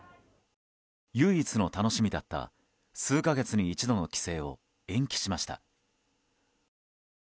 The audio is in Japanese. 唯一の楽しみだった数か月に一度の帰省を延期しました。